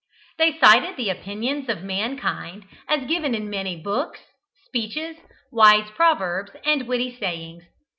They cited the opinions of mankind, as given in many books, speeches, wise proverbs, and witty sayings.